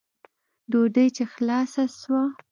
ډوډۍ چې خلاصه سوه.